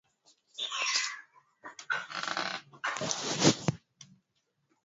wa anga na huongeza uharibifu wa vifaa majengo sanamu za